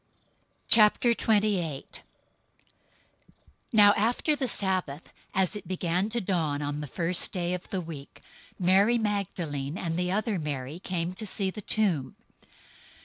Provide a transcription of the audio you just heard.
028:001 Now after the Sabbath, as it began to dawn on the first day of the week, Mary Magdalene and the other Mary came to see the tomb.